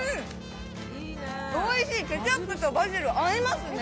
おいしい、ケチャップとバジル、合いますね。